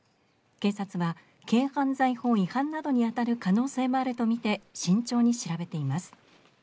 警察は軽犯罪法違反などにあたる可能性もあると見て慎重に調べています